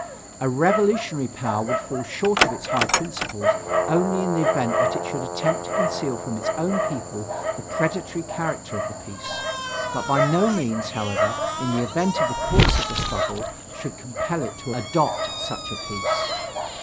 A revolutionary power would fall short of its high principles only in the event that it should attempt to conceal from its own people the predatory character of the peace, but by no means, however, in the event that the course of the struggle should compel it to adopt such a peace.